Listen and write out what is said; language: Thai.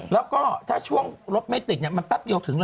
แล้วก็ถ้าช่วงรถไม่ติดมันแป๊บเดียวถึง